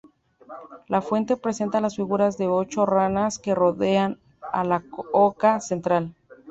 La fuente presenta las figuras de ocho ranas que rodean a la oca central.